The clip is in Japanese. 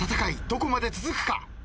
どこまで続くか。